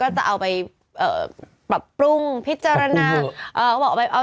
ก็จะเอาไปปรับปรุงพิจารณา